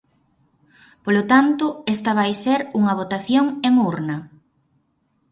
Polo tanto, esta vai ser unha votación en urna.